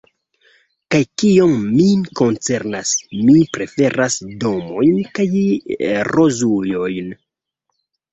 Kaj kiom min koncernas, mi preferas domojn kaj rozujojn.